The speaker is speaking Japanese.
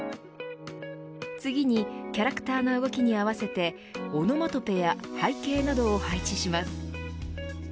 次にキャラクターの動きに合わせてオノマトペや背景などを配置します。